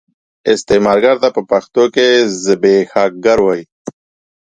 استثمارګر ته په پښتو کې زبېښاکګر وايي.